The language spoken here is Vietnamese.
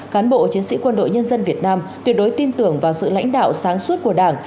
cán bộ chiến sĩ quân đội nhân dân việt nam tuyệt đối tin tưởng vào sự lãnh đạo sáng suốt của đảng